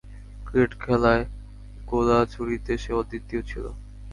Cricket খেলায় গোলা ছুঁড়িতেও সে অদ্বিতীয় ছিল।